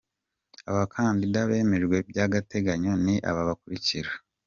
Abakandida bemejwe by’agateganyo ni aba bakurikira:.